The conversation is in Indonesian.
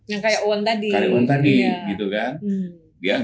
yang kayak owen tadi